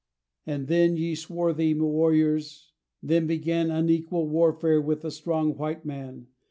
And then, ye swarthy warriors, then began Unequal warfare with the strong white man.